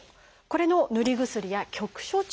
これの塗り薬や局所注射。